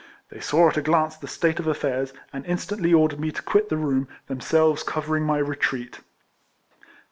They saw at a glance the state of affairs, and instantly ordered me to quit the room, themselves covering my retreat.